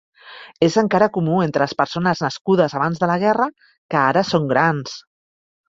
Es encara comú entre les persones nascudes abans de la guerra, que ara són grans.